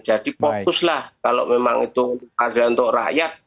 jadi fokuslah kalau memang itu kaget untuk rakyat